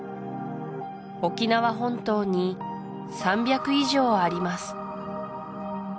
沖縄本島に３００以上あります